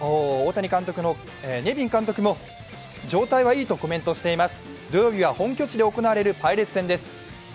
ネビン監督も状態はいいとコメントしています。